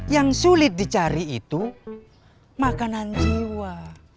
yang sulit dicari itu makanan jiwa